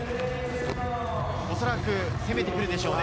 おそらく攻めてくるでしょう。